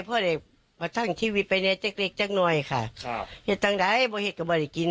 ว่าทั้งทีวิตไปในเจ็ดเล็กเจ็ดหน่อยค่ะครับเห็นตั้งใดว่าเห็นกับบริกิณ